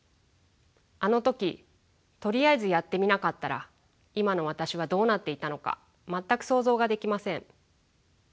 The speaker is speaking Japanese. あの時とりあえずやってみなかったら今の私はどうなっていたのか全く想像ができません。